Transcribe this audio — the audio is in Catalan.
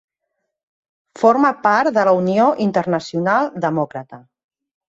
Forma part de la Unió Internacional Demòcrata.